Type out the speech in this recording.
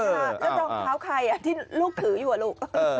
แล้วรองเท้าใครที่ลูกถืออยู่ลูก